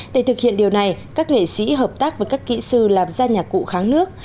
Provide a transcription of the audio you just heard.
để thực hiện điều này các nghệ sĩ hợp tác với các kỹ sư làm ra nhạc cụ kháng nước